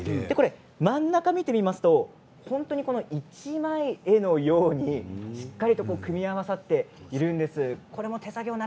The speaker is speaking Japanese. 真ん中を見てみますと本当に１枚の絵のようにしっかりと組み合わさっているんです。